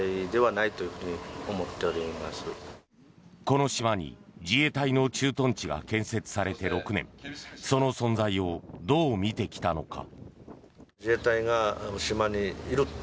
この島に自衛隊の駐屯地が建設されて６年その存在をどう見てきたのか。